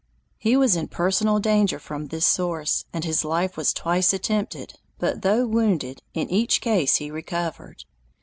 He was in personal danger from this source, and his life was twice attempted, but, though wounded, in each case he recovered.